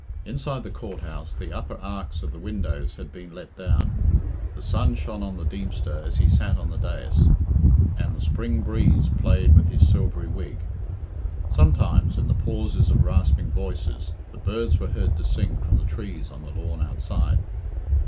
Inside the Court house the upper arcs of the windows had been let down; the sun shone on the Deemster as he sat on the dais, and the spring breeze played with his silvery wig. Some^ times, in the pauses of rasping voices, the birds were heard to sing from the trees on the lawn outside.